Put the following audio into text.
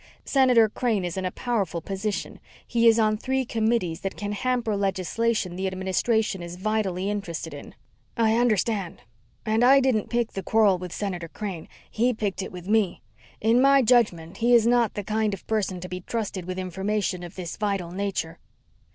Senator Crane is in a powerful position. He is on three committees that can hamper legislation the Administration is vitally interested in." "I understand. And I didn't pick the quarrel with Senator Crane. He picked it with me. In my judgment, he is not the kind of person to be trusted with information of this vital nature."